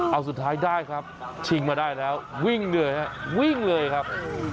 เอาสุดท้ายได้ครับชิงมาได้แล้ววิ่งเหนื่อยฮะวิ่งเลยครับ